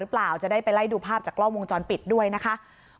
จะได้ไปไล่ดูภาพจากกล้องวงจรปิดด้วยนะคะ